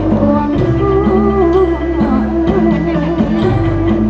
ห่วงคู่หัวหน้าอื่น